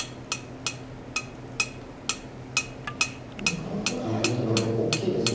この歩が入ったのは結構大きいですね